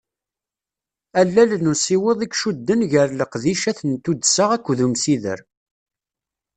Allal n usiweḍ i icudden gar leqdicat n tuddsa akked umsider.